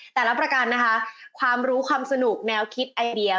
แต่ละประกันนะคะความรู้ความสนุกแนวคิดไอเดีย